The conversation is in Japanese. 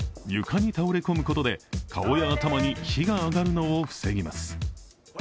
床に倒れ込むことで顔や頭に火が上がるのを防ぎます。